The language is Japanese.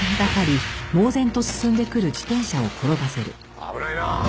危ないな！